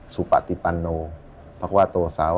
สุปติปันโนพระควาโตสาว